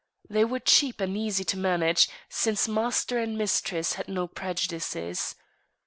They were cheap and easy to manage, since master and mistress had no prejudices.